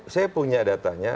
saya punya datanya